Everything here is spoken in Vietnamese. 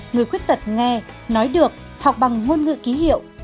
người khuyết tật nghe nói được học bằng ngôn ngữ ký hiệu